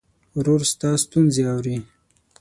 ورور ستا ستونزې اوري.